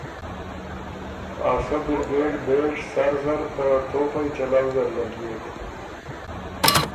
ا سۀ برګېډه بېژ سر زر ته توپئ چلؤ زر لګېک